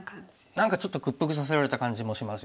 何かちょっと屈服させられた感じもしますよね。